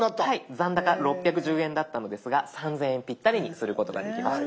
残高６１０円だったのですが３，０００円ぴったりにすることができました。